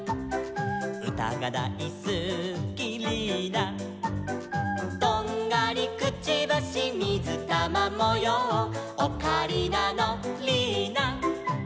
「うたがだいすきリーナ」「とんがりくちばしみずたまもよう」「オカリナのリーナ」